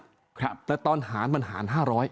แต่ตอนหารมันหาร๕๐๐